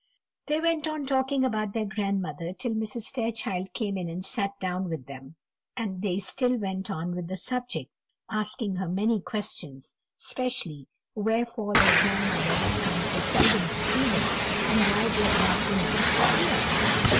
They went on talking about their grandmother till Mrs. Fairchild came in and sat down with them, and they still went on with the subject, asking her many questions, especially wherefore their grandmother had come so seldom to see them, and why they had not been asked to see her.